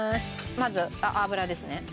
まず油ですね。